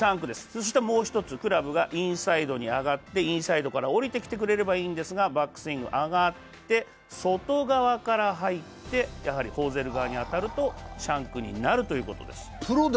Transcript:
そしてもう１つクラブがインサイドに上ってインサイドからおりてきてくれればいいんですが、バックスイング、上がって、外側から入って、シャンクになるということです。